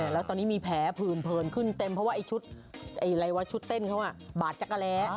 แล้วตอนนี้มีแผลเพลิมเพลินขึ้นเต็มเพราะว่าชุดเต้นเขาบาดจักรแร้